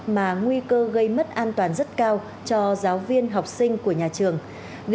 mà nguy cơ gây mất an toàn của trường